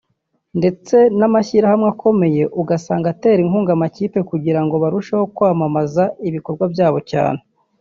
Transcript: ndetse n’amashyirahamwe akomeye ugasanga atera inkunga amakipe kugirango barusheho kwamamaza ibikorwa byabo cyane